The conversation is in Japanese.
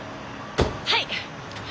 はい。